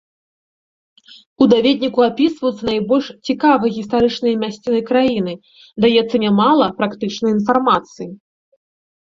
У даведніку апісваюцца найбольш цікавыя гістарычныя мясціны краіны, даецца нямала практычнай інфармацыі.